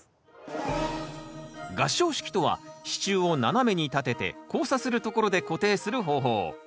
合掌式とは支柱を斜めに立てて交差するところで固定する方法。